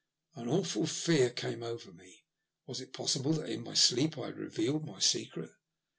An awful fear oame over me. Was it possible that in my sleep I had revealed my secret